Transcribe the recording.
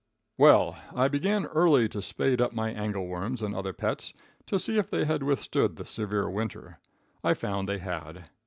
] Well, I began early to spade up my angle worms and other pets, to see if they had withstood the severe winter. I found they had.